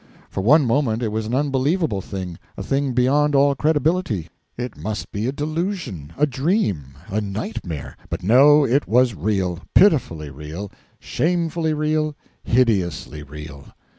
For one moment it was an unbelievable thing a thing beyond all credibility; it must be a delusion, a dream, a nightmare. But no, it was real pitifully real, shamefully real, hideously real.